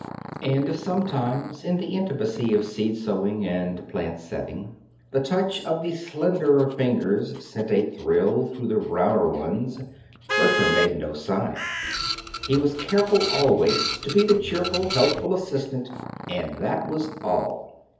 And if sometimes in the intimacy of seed sowing and plant setting, the touch of the slenderer fingers sent a thrill through the browner ones, Bertram made no sign. He was careful always to be the cheerful, helpful assistant and that was all.